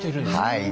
はい。